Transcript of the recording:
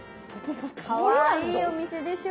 かわいいお店でしょ？